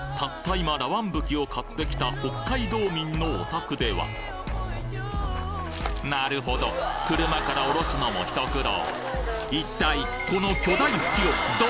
今ラワンぶきを買ってきた北海道民のお宅ではなるほど車から降ろすのもひと苦労